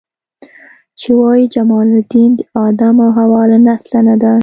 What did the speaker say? چې وایي جمال الدین د آدم او حوا له نسله نه دی.